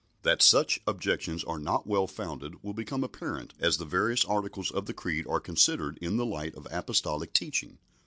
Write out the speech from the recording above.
That such objections are not well founded will become apparent as the various articles of the Creed are considered in the light of Apostolic teaching.